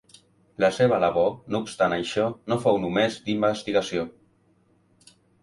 La seva labor, no obstant això, no fou només d'investigació.